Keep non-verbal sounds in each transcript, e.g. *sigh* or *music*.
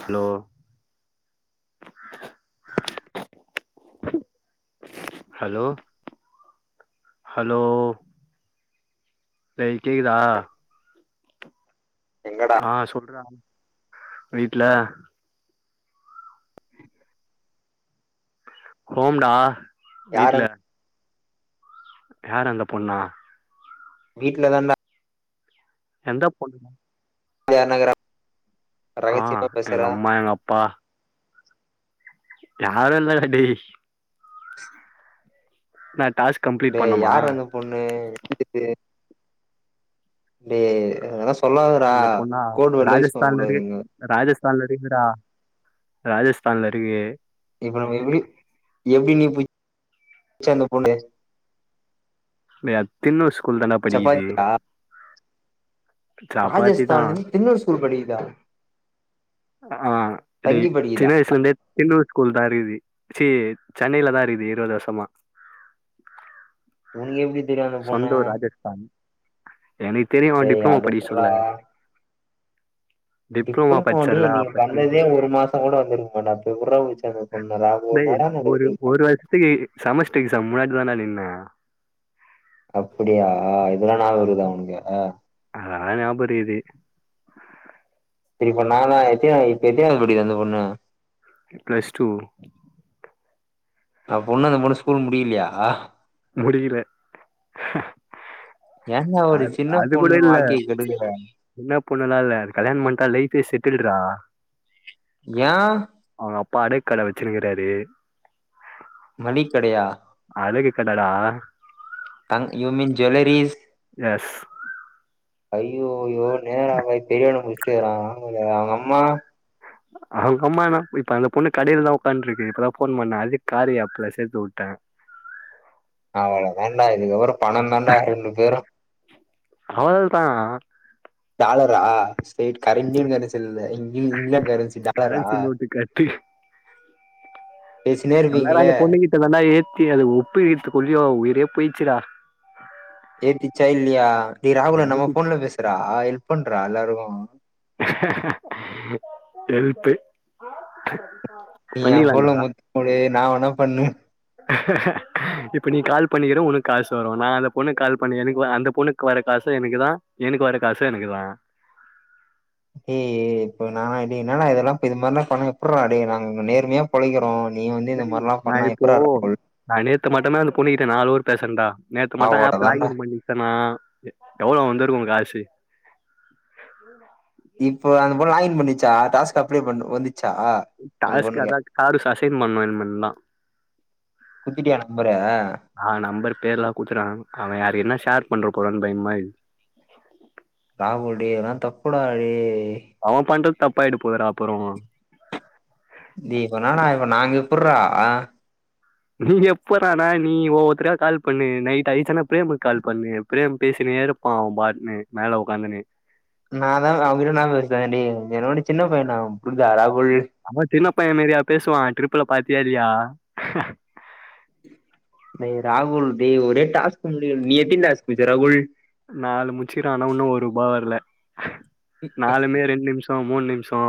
Hello hello hello டேய் கேக்குதா? எங்கடா ஆ சொல்றா. வீட்ல குரோம்டா யார் வீட்ல அந்த யார் அந்த பொண்ணா? வீட்ல தான்டா எந்த பொண்ணு *unintelligible* ஆ ரகசியமா எங்க பேசுறா அம்மா எங்க அப்பா யாரு இல்லடா டேய். நா டாஸ்க் கம்ப்ளீட் டேய் பண்ணமா யார் அந்த பொண்ணு எங்க இருக்கு டேய் அதல்லா அந்த பொண்ணா ராஜஸ்தான்ல கூடாது இருக்கு இங்க ராஜஸ்தான்ல இருக்குதுடா. ராஜஸ்தான்ல இருக்கு. இப்ப நம்ம எப்டி எப்டி நீ போய் ச்சு அந்த பொண்ணு டேய் அது தின்னுர்ஸ் சப்பாத்தியா சப்பாத்தி தா ராஜஸ்தான்லர்ந்து தின்னூர் ஸ்கூல் படிக்கு தா அ ஆ டேய் சின்ன வயசுல இருந்தே தின்னூர் கூல்தா இருக்கிது சி சென்னையிலதா இருக்குது இருவது வருஷமா. உனக்கு எப்டி தெரியு அந்த பொண்ணு சொந்த ஊர் ராஜஸ்தான் எனக்கு தெரியு அவ டேய் டிப்ளமோ அது படிக்க சொல்ல டிப்ளமோ டிப்ளமோலயே படிச்சல்ல நீ அப்ப வந்ததே ஒரு மாசோங் கூட வந்துருக்க மாட்ட அப்ப எப்பர்றா புடிச்ச அந்த பொண்ண *unintelligible* டேய் என்னடா ஒரு நடக்குது இங்க தான நின்ன அப்பிடியா இவ்ளோ ஞாபகோ இருக்குதா உனக்கு? ஆ ஞாபக இருக்குது செரி இப்ப நானா எத்தினாவது இப்ப எத்தினாவது படிக்குது அந்த பொண்ணு? ப்ளஸ் டூ அப்ப இன்னு அந்த பொண்ணு ஸ்கூல் முடியலையா? முடியல ஏன்டா ஒரு அது சின்ன அது கூட பொண்ணு இல்ல வாழ்க்கைய கெடுக்குற என்ன பொண்ணல்லாம் இல்ல கல்யாணம் பண்ணிட்டா லைஃப்பே செட்டில்ரா ஏ பாடக்கள வச்சிருக்கிறாரு மளி கடயா எடா எஸ் ஐயோ *unintelligible* அவ அவுங்க அம்மா அவுங்க அம்மானா இப்ப அந்த பொண்ணு கடைல தா உட்காண்ட்ருக்கு இப்பதா போன் பண்ண அது காரிய ஆப்ல சேத்து விட்டே அவ்ள தான்டா இதுக்கப்புற பண தான்டா ரெண்டு பேரு அவ்லதா *unintelligible* எ கரன்யே நெனச்சுருந்தே இங்கயு இங்கிலான் கரன்சி டாலரா கரன்சி நோட்டு பேசினே நல்லாரம் இருப்பீங்களே அந்த பொண்ணு கிட்ட நல்லா ஏத்தி அது உட்டு இத்து உய்யோ உயிரே போயிச்டா அப்டியா எ ராகுலன்னவோ போன்ல பேசுதுடா எ போன் வேல இருக்கு கெல்பு நீ *unintelligible* நா வென்ன பண்ணு இப்ப நீ கால் பண்ணிக்கிற உனக்கு காசு வரு நா அந்த பொண்ணுக்கு கால் பண்ணி எனக்கு அந்த பொண்ணுக்கு வர காசு எனக்கு தா எனக்கு வர காசு எனக்கு தா எ எ எ இப்ப நா ஏ என்னடா இதெல்லா இது மாதிர ல பண்ணா எப்புட்ரா டே நாங்க இங்க நேர்மையா பொளக்கிறோ டேய் நா இப்போ நா நேத்து மாட்டதா பொண்ணுகிட்ட நா அலோன் பேசுறன்டா நேற்று மட்டு ஆப்பு அவ்ளோதான்டா லகின் பண்ணிச்சேன்னா எவ்ளோ வந்திருக்கு காசு இப்போ அந்த பொண்ணு வாங்கி பண்ணிச்சா டாஸ்க் அப்ளை பண்ண வந் கசு அத காடு அசைன் பண்னு இன்மேதா குடுத்துட்டியா நம்பர ஆ நம்பர் பேர்லா கூத்துட அவன் யா என்ன ஷார் பண்ற போறா பயமா இருக் ராகுடல் டேய் இதுல்லா தப்புடா டேய் அவ பண்ற தப்பாயிட போதுட அப்புறோ டே இவ என்னடா இவ இப்ப நங்க இப்பற நீ எப்பறானா நீ ஒவ்வொத்தரயா கால் பண்ணு நைட் ஆயிச்சன்னா பிரேமுக்கு கால் பண்ணு பிரேம் பேசினேருப்பா அவ பாட்னு மேல உக்காந்துனு நால்லா அவங்கிட்ட நா என்னா பேசறது டேய் என்ன விட சின்ன பையண்டா அவ புர்தா ரா அவ சின்ன பைய மாரியா பேசுவா ட்ரி ப்ல பாத்தியா இல்லையா டேய் ராகுல் டேய் ஒரே டாஸ்க்கு முடியல நீ எத்தினி டாஸ்க்கு முட்ச்ச ராகுல்? நாலு முட்ச்சுக்கிற ஆனா இன்னு ஒர்ரூபா வரல. நாலுமே ரெண்டு நிமிஷம் மூணு நிமிஷோ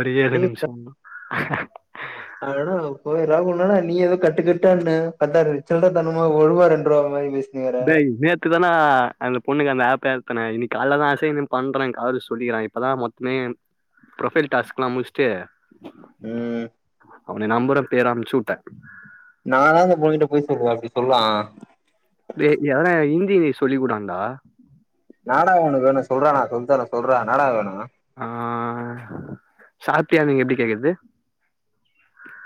ஒரே டேய் ஒரு நிமிஷோ *inaudible* ஹ ஹ ராகுல் என்னாடா நீ ஏதோ கட்டு கட்டான்னே பாத்தா அது சில்றத்தனமா ஒர்ரூவா ரெண்ரூவா மாரி பேசி டேய் நேத்துதான அந்த பொண்ணுக அந்த ஆப் க்கு ஏத்துனே இன்னைக்கி காலைலதா அசைன்மெண்ட் பண்றன்னு காலைல சொல்லிக்கிறாங்க இப்பதா மொத்தமே ப்ரொஃபைல் டாஸ்க் எல்லா முட்ச்சுட்டு ம் அவன நம்பரு பேரு அனுப்ச்சு உட்டே பொய் சொல்வா அப்டி சொல்வா டேய் என்னடா இந்தி சொல்லிக்குடேன்டா ன்னாடா வேணு உனக்கு வேணு சொல்றா நா சொல்லித்தறே சொல்றா ன்னாடா வேணு? ஆ சாப்டியானு எப்டி கேக்கறது?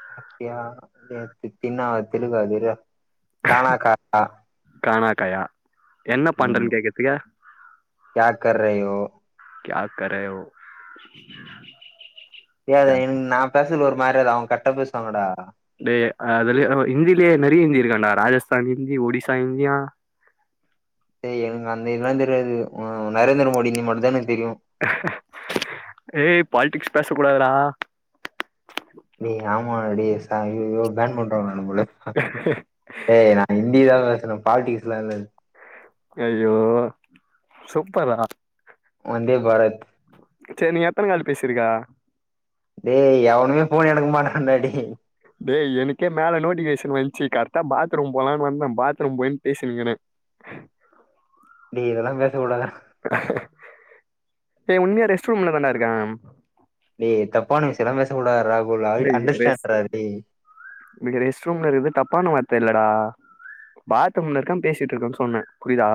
சாப்டியா *unintelligible* அது தெலுகு அது இர்றா கானா *inaudible* கயா என்ன பண்றன்னு கேக்றதுக்கு க்யா கர் ரேயோ கியா கரே ஓ ஏ இன் நா பேசயில ஒரு மார இரு அவங்க கரெக்டா பேசுவாங்கடா டேய் அதுலயே அ ஹிந்திலயே நெறைய ஹிந்தி இருக்கான்டா ராஜஸ்தான் ஹிந்தி ஒடிசா ஹிந்தியா டேய் எனக்கு அந்த இந்திலா தெரியாது ஆ நரேந்திர மோடி இந்தி மட்டுந்தா தெரியு ஏய் பாலிட்டிக்ஸ் பேசக் கூடாதுரா டேய் ஆமாண்டா டேய் சா ஐயயோ பேன் பண்ருவாங்க என்ன போல டேய் நா இந் திதா பேசற பாலிடிக்ஸ்லா இல்ல இது ஐயயோ சூப்பர்றா வந்தே பாரத் செரி நீ எத்தன கால் பேசிருக்க? டேய் எவனுமே ஃபோன் எடுக்க மாட்டன்றா டேய் டேய் எனக்கே மேல நோட்டிஃபிகேஷன் வந்த்ச்சு கரெக்டா பாத்ரூம் போலான்னு வந்தே பாத்ரூம் போயினு பேசினுருக்கறே. டேய் இதெல்லா பேசக்கூடாதுடா டேய் உண்மையா ரெஸ்ட்ரூம்லதாண்டா இருக்கே. டேய் தப்பான விஷயம்லா பேசக்கூடாது ரா டேய் ரெஸ் டேய் ரெஸ்ட் ரூம்ங்கறது தப்பான வார்த்த இல்லடா. பாத்ரூம்ல இருக்கே பேசிட்டு இருக்கேன்னு சொன்னே புரிதா?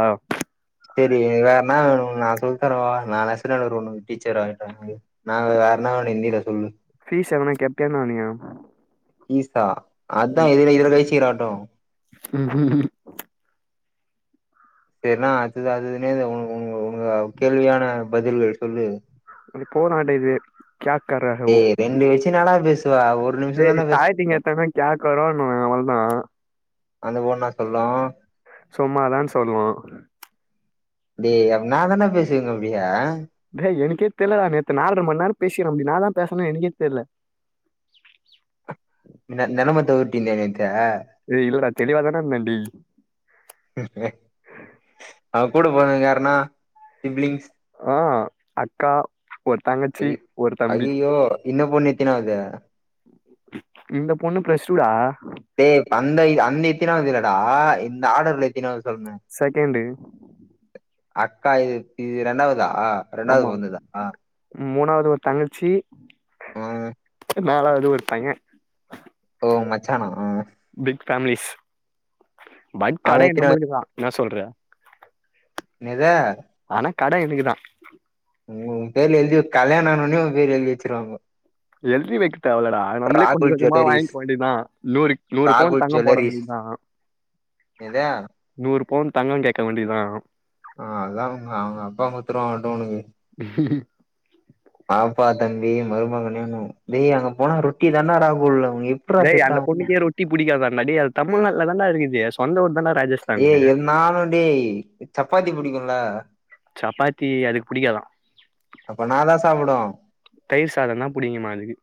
செரி வேற என்னா வேணு நா சொல்லித் தரே வா நானு *unintelligible* உனக்கு டீச்சர் ஆயிட்றே உன்க்கு நா வேற என்னா வேணு இந்தியில சொல்லு. ஃபீஸ் எதனா கேப்பியா என்ன என்னிய ஃபீஸா அதா இதுல இதுல *unintelligible* ஆட்டோ உஹம் உஹம் உம் ஏன்னா அது அதுனேது உ உங் உங்க கேள்வியான பதில்கள் சொல்லு அப்டி போனாண்ட இது கியா கர்ரேஹுவூ டேய் ரெண்டு வச்சு என்னடா பேசுவ ஒரு நிமிஷோ டேய் தான பேச *unintelligible* முடியு எத்தனா கியா கரோன்னுவே அவ்ளவுதா அந்த பொண்ணா சொல்லு சும்மாதான்னு சொல்லுவோ டேய் அப்ப என்னாதாண்டா பேசுவீங்க அப்டியே டேய் எனக்கே தெர்லடா நேத்து நால்ர மணி நேரோ பேசினே அப்டி என்னாதா பேசனேனு எனக்கே தெர்ல நெ *unintelligible* ஏய் இல்லடா தெளிவாதான்டா இருந்த டேய் அவ கூட போனது யாருனா சிப்லிங்ஸ் ஆ அக்கா ஒரு தங்கச்சி ஐய ஒரு தம்பி ஐயயோ இந்த பொண்ணு எத்தினாவது? இந்த பொண்ணு பிளஸ்டூடா டேய் இப்ப அந்த அந்த எத்தினாவது இல்லடா இந்த ஆடர்ல எத்தினாவது சொல்லுங்க செகண்டு அக்கா இது இது ரெண்டாவதா? ஆ ரெண்டாவது கொழந்ததா ஆ மூணாது ஒரு தங்கச்சி ம் நாலாவது ஒரு பைய ஓ மச்சானா பிக் ஃபேமிலீஸ் பன் அவன் கடையே எத்தினாவது நம்முளுதுதா என்னா சொல்ற என்னது ஆனா கட எனக்குதா உ பேர் எழுதி கல்யாணோ ஆனவுன்னே உன் பேர்ல எழுதி வச்சிருவாங்கோ. எழுதி வைக்க தேவல்லடா நம்மளே கொஞ்ச கொஞ்சமா ஜுவல்லரிஸ் வாங்க்க வேண்டியதுதா நூறு நூறு பவுன் ராகுல் தங்கோ போட ஜுவல்லரிஸ் வேண்டியதுதா என்னது நூறு பவுன் தங்கோ கேக்க வேண்டியதுதா ஆ அதா உங்க அவங்க அப்பா குட்த்துருவா எட்த்து உனக்கு வாப்பா தம்பி மருமகனேன்னு டேய் அங்க போனா ரொட்டிதாண்டா ராகுல் உனக்கு எப்புட்றா டேய் செட் அந்த ஆகு பொண்ணுக்கே ரொட்டி புடிக்காதான்டா டேய் அது தமிழ்நாட்லதான்டா இருக்குது சொந்த ஊர் தான்டா ராஜஸ்தான் ஏய் என்னானுடேய் சப்பாத்தி புடிக்கும்ல சப்பாத்தி அதுக்கு புடிக்காதா. அப்ப என்னாதா சாப்புடு? தயிர் சாதம் தான் பிடிக்குமா அதுக்கு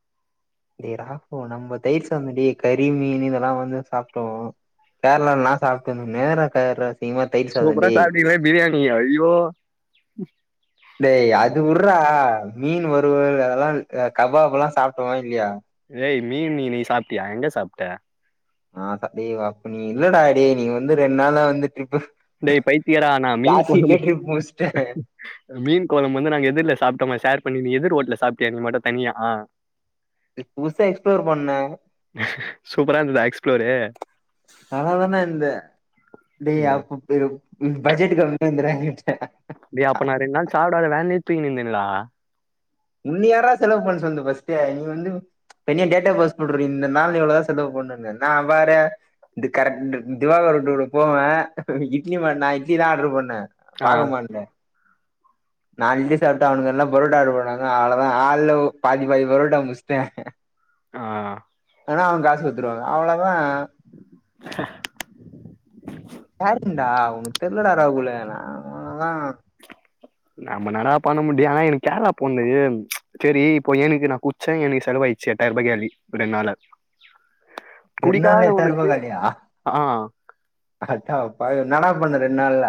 டேய் ராகு நம்ப தயிர் சாதோ டேய் கறி மீனு இதெல்லா வந்து சாப்டுவோ கேரளாலல்லா சாப்ட்டு வந் நேரா *unintelligible* சாதோ டேய் சூப்பரா *unintelligible* பிரியாணி ஐயோ டேய் அது விட்றா மீன் வறுவல் அதெல்லா அ கபாப் எல்லா சாப்ட்டமா இல்லயா? டேய் மீன் நீ நீ சாப்ட்டியா எங்க சாப்ட்ட? ஆ ஹா டே அப்ப நீ இல்லடா டேய் நீ வந்து ரெண்ட் நாளா வந்து ட்ரிப்பு டேய் பைத்தியகாரா நா மீன் லாஸ்ட் கொழம்ப வீக்லயே ட்ரிப் முட்ச்சுட்ட அ மீன் கொழம்ப வந்து நாங்க எதிர்ல சாப்ட்டோமே ஷேர் பண்ணி நீ எதிர் ஓட்டல்ல சாப்டியா நீ மட்டு தனியா புதுசா எக்ஸ்ப்ளோர் பண்ணே சூப்பரா இருந்தது எக்ஸ்ப்ளோரு நல்லாதான இருந்துது டேய் அதுக்கு இது ப் பட்ஜெட் கம்மியா இருந்தனால *unintelligible* டேய் அப்ப நா ரெண்டு நாள் சாப்டாத வேன்லயே தூங்கினிருந்தனல்லா உன்ன யார்றா செலவு பண்ண சொன்து ஃபஸ்ட்டு நீ வந்து இப்ப என்னய கேட்டா பஸ் *unintelligible* இந்த நாள் நீ எவ்ளவுதா செலவு பண்றன்னு நா பாரு இது கரெக்ட்டு திவாகர் டூரு போவே இட்லி மா நா இட்லிதா ஆர்ட்ரு பண்ணே ஆ *unintelligible* நா இட்லி சாப்ட்டே அவுனுகல்லா பரோட்டா ஆர்ட்ரு பண்ணாங் க அவ்ளோதா ஆள்ல ஒ பாதி பாதி பரோட்டா முட்ச்ட்டே ஆ ஆனா அவுங்க காடு குடுத்ருவாங்க அவ்ளதா *unintelligible* சாப்டணுண்டா உனக்கு தெர்லடா ராகுலு என்னா உனக்குதா நம்ப என்னடா பண்ண முடியு ஆனா எனக்கு கேரளா போனது செரி இப்போ எனுக்கு நா குச்சே எனுக்கு செலவாயிச்சு எட்டாயர்ரூபா காலி ரெண்ட் நாள்ல ரெண்ட் நாள்ல எட்டாயர்ரூபா குடிக்காதவனுக்கு காலியா ஆ அடப்பாவி என்னாடா பண்ண ரெண் ட் நாள்ல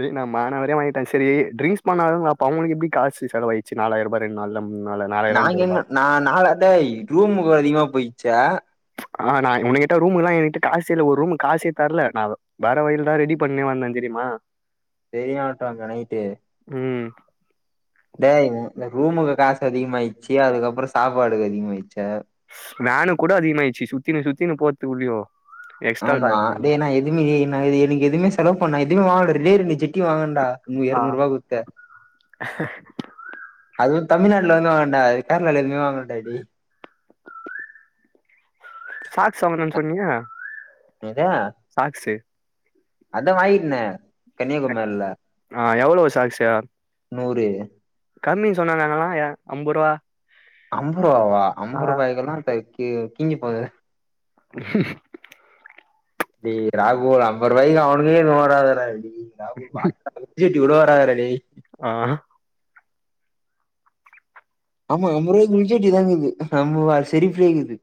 டேய் நா மானாவாரியா வாங்கிட்டே செரி ட்ரிங்க்ஸ் பண்ணாதவங்ளுக்கு அப் ப அவங்களுக்கு எப்டி காசு செலாவாயிட்ச்சு நாலாயர்ரூபா ரெண்டு நாள்ல மூணு நாள்ல நாலாயிரோ நாங்க அஞ்சாயிரூபா என்ன நா நாலா எதேய் ரூமுக்கு அதிகமா போய் ச்சா ஆ நா உன்னகிட்ட ரூமுக்கெல்லா என்கிட்ட காசே இல்ல ஒரு ரூம்க்கு காசே தர்ல நா வேற வழிலதா ரெடி பண்ணி வந்தே தெரியுமா பெரிய ஆட்டோ அங்க நைட்டு ம் டேய் ம் இந்த ரூமுக்கு காசு அதிகமாயிட்ச்சு அதுக்கப்பறோ சாப்பாடுக்கு அதிகமாயிட்ச்சு வேனுக்கு கூட அதிகமாயிட்ச்சு சுத்தினு சுத்தினு போறதுக்குள்ளயு எக்ஸ்ட்ரா ஆமா காசு டேய் நா எதுமே ஏய் நா எனுக்கு எதுவுமே செலவு பண்ல நா எதுமே வாங்கல ரெண்டே ரெண்டு ஜட்டி வாங்குனன்டா ம் ஆ எரநூர்ரூவா குடுத்து *inaudible* அதுவு தமிழ்நாடுல வந்து வாங்குனன்டா கேரளால எதுமே வாங்கலடா டேய் சாக் ஸா வர்லன் சொன்னிங்க என்னது சாக்ஸு அதா வாங்கிட்னே கன்னியாகுமாரில ஆ எவ்ளோ சாக்ஸ நூறு கம்மி சொன்னாங்க அங்கல்லா எ அம்பருவா அம் அம்பர் ரூவயா அம்பர் ரூவாய்க்கு எல்லா டை ஏ கிங்கி போகுது *inaudible* டே ராகு ஒரு அம்பது ரூவாய்க்கு அவனுக்கே ஒடாது டா *unintelligible* இவ்ளோ வரதுடா டேய் ஆ ஆமா அம்ரோ ரூபாய்க்கு முடிசவேண்டிய தானே இது ஆமா சேரிப்பா இக்குது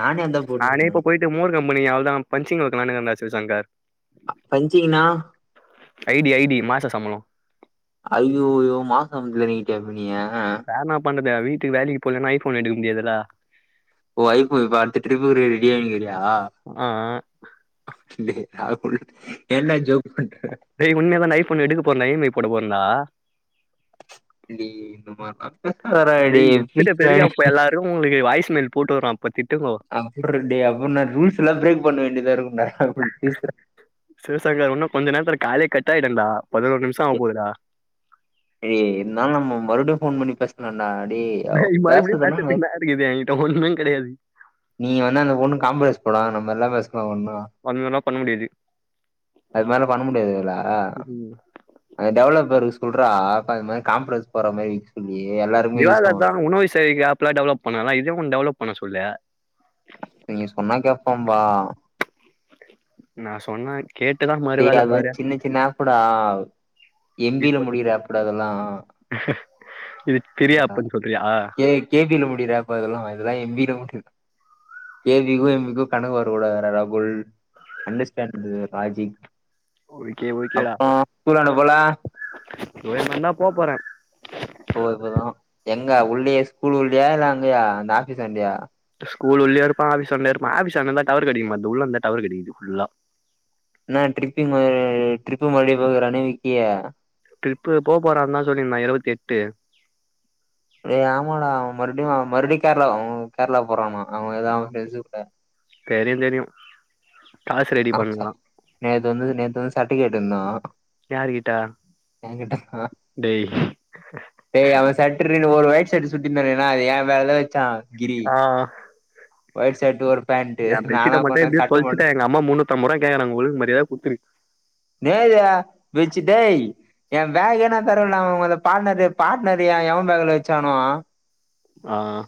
நானே அதா நானே போட்னுக்குறே இப்ப போயிட்டு மோர் கம்பனி அவ்ளோ தா பஞ்சிங் வச்சிகிளானு இருந்த சிவசங்கர் பஞ்சிங்னா ஐ டி ஐ டி மாச சம்பளம் ஐயோ ஐயோ மாசம் *unintelligible* வே நா பண்ணு அ வீட்டுக்கு வேலைக்கு போலன்னா ஐபோன் எடுக்க முடியாதுலா வைஃப்பு பாத்துட்டு இருக்கு போது ரெடி ஆகலையா ஆ *unintelligible* டேய் உன்மைய தா டா ஐய் போன் எடுக்க போறன்டா இ எம் ஐ போட போறன்டா நீ இது மாரிலாம் டேய் எத்தன பெரிய அப் எல்லாரும் உங்ளுக் வாய்ஸ் மேல் போட்டு உடுறன் அப்றோ டே அப்புறம் நா ரூல்ஸ் எல்லா பிரேக் பண்ண வேண்டிய தா இருக்கும்ல பேசுறன் சிவசங்கர் இன்னு கொஞ்ச நேரத்துல காலே கட்டாயிடும் டா பதினோரு நிமிஷம் ஆக போகுதுடா ஏ என்னா நம்ம மறுபடியும் போன் பண்ணி பேசலா டேய் மறுபிடியும் பேசரதுக்கு என்னடா இருக்குது யாக்கிட்ட ஒன்னும் கிடயாது நீங்க வந்து அந்த பொண்ணுக்கு கான்பிர்ஸ் போடு நம்ம எல்லா பேசலா ஒன்னா ஒண்ணுலா பண்ண முடியாது அது மாரி பண்ண முடியாத இதுல டேவலபர்ஸ் சொல்றா அப்ப இது மாரி கான்பர்ஸ் போடுற மாரி சொல்லி எல்லாருக்குமே யூஸ் விவாத ஆகும்ல தா உணவு செல்லிங் ஆப் எல்லா டெவலப் பண்றால்ல இதயும் ஒன்னு டெவலப் பண்ண சொல்லு நீங்க சொன்னா கேப்பான்பா நான் சொன்ன கேட்டுதா மறு டே வேல அது பாரு வந்து சின்ன சின்ன ஆப்புடா எம் இது பில கொஞ்சம் முடியிற ஆப்புடா அதெல்லா இது பிரியா அப்புன்னு சொல்றியா கே கே பில முடியிற ஆப்ல்ல அதெல்லா இதெல்லா எம் பில முடியிறது கே பி க்கும் எம் பி க்கும் கணக்கு வரக்கூடாது டா ராகுல் அண்டர்ஸ்டாண்ட் லாஜிக் ஒக்கே ஒக்கேடா அப்றோ ஸ்கூலாண்ட போல *unintelligible* போ போறேன் ஓ இப்பதான் எங்க உள்ளேயே ஸ்கூல் உள்ளயா இல்ல அங்கயா அந்த ஆபீஸ் அண்டையா ஸ்கூல் உள்ளய இருப்பா ஆபீஸ் உள்ளயும் இருப்பா ஆபிஸ் வந்த டவர் கிடைக்க மாட்டிகுது உள்ள இருந்த டவர் கிடைக்குது ஃபுல்லா ந ட்ரிப்பிங ட்ரிப்பு மறுபடிய போக்கறானே விக்கிய ட்ரிப்பு போ போறாந்தா சொல்லிருந்தா இருபத்தி எட்டு ஏ ஆமாட மறுபடியும் மறுபடியும் கேரளா கேரளா போறானா அவங்க ஏதாவ அவன் ஃப்ரெண்ட்ஸு கூட தேரியும் தேரியும் ஆ *inaudible* நேது வந்து நே வந்து ச *inaudible* கேட்ட இருந்தா யாருகிட்ட என க டேய் ச் அவன் *unintelligible* சட்டுனு ஒரு வய செடு *unintelligible* சுட்டிந்தேன்ன ஏன் வேலை வச்சான் ஆஹ் வைச்சட்டு வரு ஏன் பெட்ஷீட்ட மட்டும் தொல்ச்சிட்ட எங்க அம்மா முன்னு பத்தும் முறகேக்குறாக ஒழுங்கு மரியாதை குடுத்துரு வச்சுட்டேய் என் பேக் ஏன தரவேண்ட உங்க பார்ட்னர் பார்ட்னர்ரு ஏ எவன் பேக்ல வச்சானோ ஆஹ்